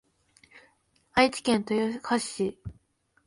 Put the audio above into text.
愛知県豊橋市